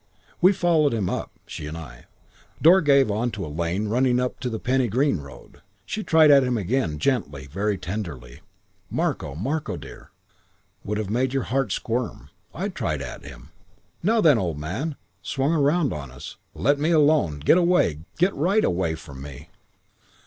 "We followed him up, she and I. Door gave on to a lane running up into the Penny Green road. She tried at him again, gently, very tenderly, 'Marko, Marko, dear.' Would have made your heart squirm. I tried at him: 'Now then, old man.' Swung round on us. 'Let me alone. Get away. Get right away from me!'